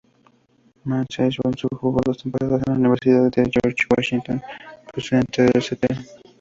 Mensah-Bonsu jugó dos temporadas en la Universidad George Washington, procedente del St.